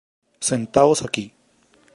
Sentaos aquí.